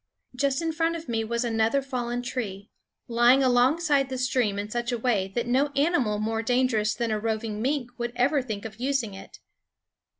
Just in front of me was another fallen tree, lying alongside the stream in such a way that no animal more dangerous than a roving mink would ever think of using it.